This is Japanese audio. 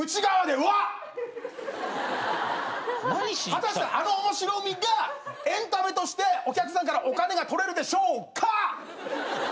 果たしてあの面白みがエンタメとしてお客さんからお金が取れるでしょうか？